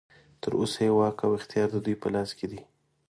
تر اوسه یې واک او اختیار ددوی په لاس کې دی.